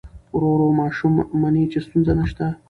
ورو ورو ماشوم مني چې ستونزه نشته.